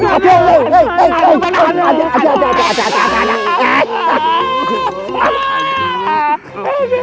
aduh aduh aduh